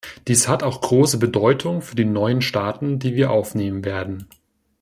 Dies hat auch große Bedeutung für die neuen Staaten, die wir aufnehmen werden.